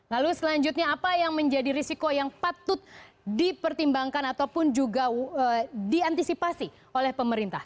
lalu selanjutnya apa yang menjadi risiko yang patut dipertimbangkan ataupun juga diantisipasi oleh pemerintah